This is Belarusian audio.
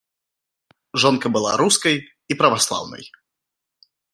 Жонка была рускай і праваслаўнай.